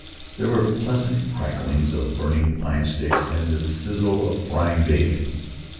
There were pleasant cracklings of burning pine sticks and the sizzle of frying bacon.